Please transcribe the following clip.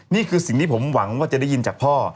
นี่คือสิ่งที่ผมหวังว่าจะได้ยินจากพ่อ